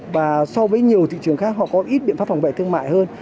và so với nhiều thị trường khác họ có ít biện pháp phòng vệ thương mại hơn